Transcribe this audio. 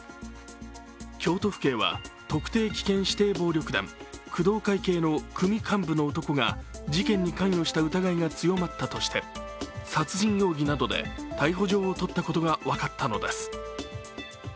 京都府警は、特定危険指定暴力団・工藤会系の組幹部の男が事件に関与した疑いが強まったとして殺人容疑などで逮捕状を取ったことが分かったのです。